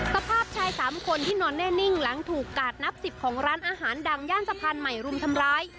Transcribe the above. สภาพชาย๓คนที่นอนแน่นิ่งหลังถูกกาดนับ๑๐ของร้านอาหารดังย่านสะพานใหม่รุมทำร้าย